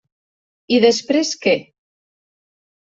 I després què?